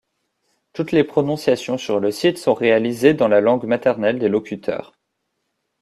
Toutes les prononciations sur le site sont réalisées dans la langue maternelle des locuteurs.